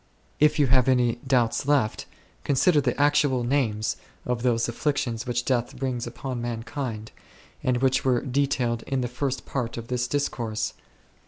If you have any doubts left, consider the actual names of those afflictions which death brings upon man kind, and which were detailed in the first part of this discourse.